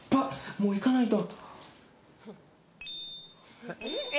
もう行かないと。